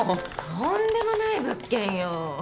とんでもない物件よ。